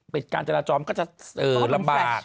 การจราจรก็จะลำบาก